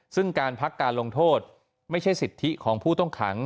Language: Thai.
ซึ่งการพักการลงโทษไม่ใช่สิทธิของผู้ต้องขัง